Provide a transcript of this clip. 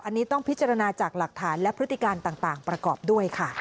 อันนี้ต้องพิจารณาจากหลักฐานและพฤติการต่างประกอบด้วยค่ะ